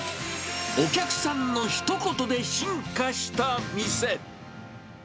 お客さんのひと言で進化した店。